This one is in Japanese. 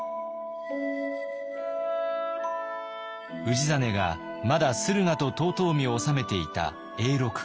氏真がまだ駿河と遠江を治めていた永禄９年。